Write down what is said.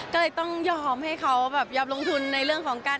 ก็เลยต้องยอมให้เขาแบบยอมลงทุนในเรื่องของการ